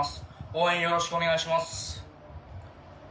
応援よろしくお願いします。